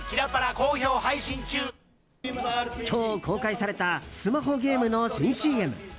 今日公開されたスマホゲームの新ＣＭ。